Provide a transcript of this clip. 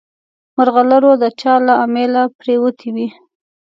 مرغلره د چا له امیله پرېوتې وي.